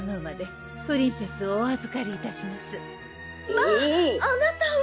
「まぁあなたは！」